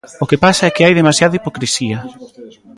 O que pasa é que hai demasiada hipocrisía.